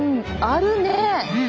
あるね。